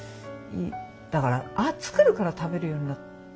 だから作るから食べるように。